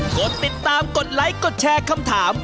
กดติดตามกดไลค์กดแชร์คำถาม